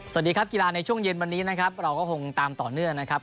สวัสดีครับกีฬาในช่วงเย็นวันนี้นะครับเราก็คงตามต่อเนื่องนะครับ